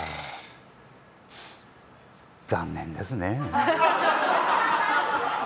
残念ですね。